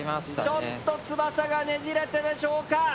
ちょっと翼がねじれたでしょうか。